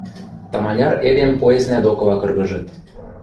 Таманяр эдем поезднӓ докыла кыргыжыт.